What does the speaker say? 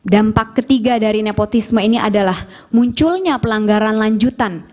dampak ketiga dari nepotisme ini adalah munculnya pelanggaran lanjutan